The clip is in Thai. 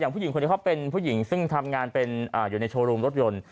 ผู้หญิงคนนี้เขาเป็นผู้หญิงซึ่งทำงานเป็นอยู่ในโชว์รูมรถยนต์